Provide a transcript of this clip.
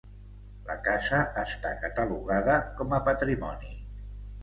La casa està catalogada com a patrimoni.